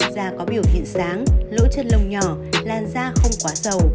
da có biểu hiện sáng lỗ chân lông nhỏ làn da không quá giàu